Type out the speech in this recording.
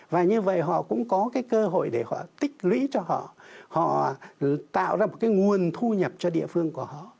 và như vậy họ cũng có cái cơ hội để họ tích lũy cho họ họ tạo ra một cái nguồn thu nhập cho địa phương của họ